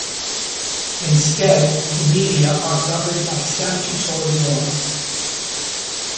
Instead, the media are governed by statutory laws.